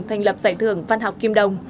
thành lập giải thưởng văn học kim đồng